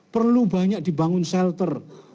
perlu banyak dibangun shelter